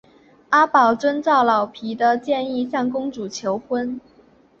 阿宝遵照老皮的建议向公主求婚。